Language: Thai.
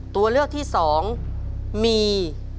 ตัวเลือกที่๒มี